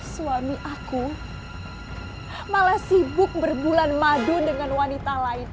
suami aku malah sibuk berbulan madun dengan wanita lain